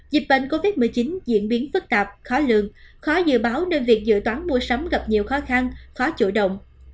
dịch bệnh covid một mươi chín diễn biến phức tạp khó lường khó dự báo nên việc dự toán mua sắm gặp nhiều khó khăn khó chủ động